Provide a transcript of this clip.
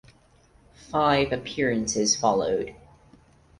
Five appearances followed.